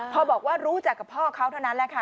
พอบอกว่ารู้จักกับพ่อเขาเท่านั้นแหละค่ะ